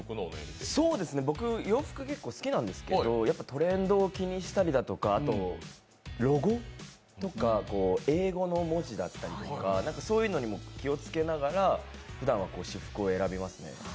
僕、洋服、結構好きなんですけどトレンドを気にしたりとかあと、ロゴとか英語の文字だったりとか、そういうのにも気をつけながらふだんは私服を選びますね。